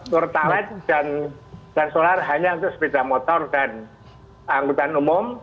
pertalite dan solar hanya untuk sepeda motor dan angkutan umum